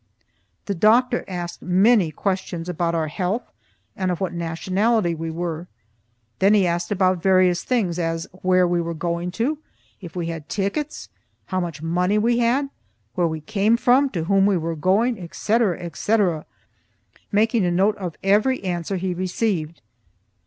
The doctor asked many questions about our health, and of what nationality we were. Then he asked about various things, as where we were going to, if we had tickets, how much money we had, where we came from, to whom we were going, etc., etc., making a note of every answer he received.